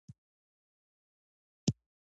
د پښتنو په کلتور کې د خور حق ورکول پکار دي.